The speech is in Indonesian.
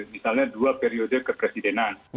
misalnya dua periode kepresidenan